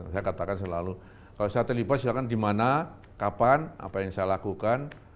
saya katakan selalu kalau saya terlibat silahkan di mana kapan apa yang saya lakukan